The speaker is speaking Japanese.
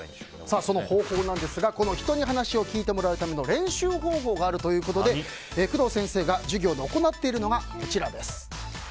その方法ですが人に話を聞いてもらうための練習方法があるということで工藤先生が授業で行っているのがこちらです。